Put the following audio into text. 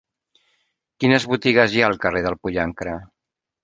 Quines botigues hi ha al carrer del Pollancre?